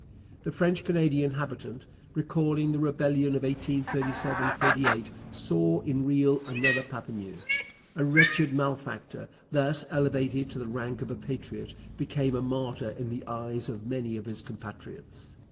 The French Canadian habitant, recalling the rebellion of 1837 38, saw in Riel another Papineau. A wretched malefactor, thus elevated to the rank of a patriot, became a martyr in the eyes of many of his compatriots.